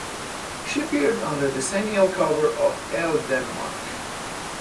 She appeared on the decennial cover of "Elle Denmark".